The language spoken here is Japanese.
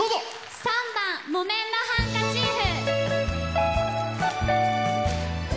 ３番「木綿のハンカチーフ」。